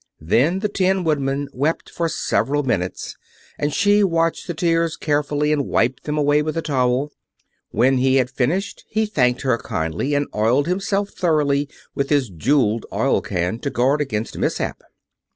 Then the Tin Woodman wept for several minutes, and she watched the tears carefully and wiped them away with the towel. When he had finished, he thanked her kindly and oiled himself thoroughly with his jeweled oil can, to guard against mishap.